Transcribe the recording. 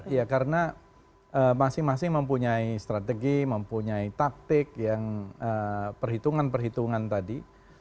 ya karena masing masing mempunyai strategi mempunyai taktik yang perhitungan perhitungan tadi